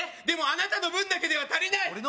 でもあなたの分だけでは足りない！